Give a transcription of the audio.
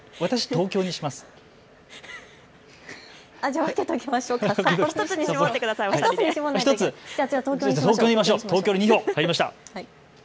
東京に２票入りました。